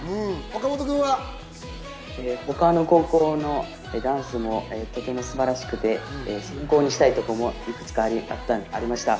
他の高校のダンスもとても素晴らしくて、参考にしたいところもいくつかありました。